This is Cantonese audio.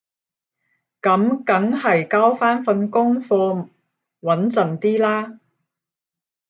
噉梗係交返份功課穩陣啲啦